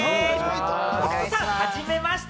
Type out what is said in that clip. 北斗さん、はじめまして。